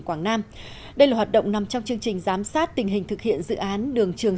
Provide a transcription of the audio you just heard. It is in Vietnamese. quảng nam đây là hoạt động nằm trong chương trình giám sát tình hình thực hiện dự án đường trường